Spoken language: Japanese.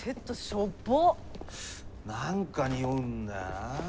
何かにおうんだよな。